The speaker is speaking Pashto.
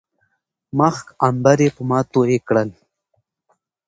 مښک، عنبر يې په ما توى کړل